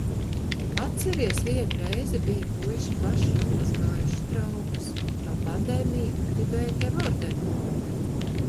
Atceries, vienu reizi bija puiši paši nomazgājuši traukus, jau, pandēmija, gribēju tev ordeni dot.